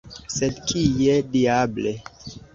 Sed kie, diable!